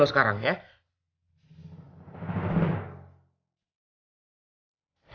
lo juga baru sadar setelah koma berhari hari